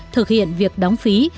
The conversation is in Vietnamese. thực hiện việc đóng phí